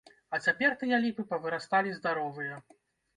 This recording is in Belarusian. А цяпер тыя ліпы павырасталі здаровыя!